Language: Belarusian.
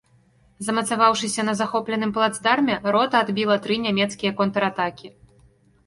Замацаваўшыся на захопленым плацдарме, рота адбіла тры нямецкія контратакі.